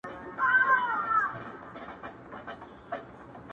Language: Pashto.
o داده ميني ښار وچاته څه وركوي،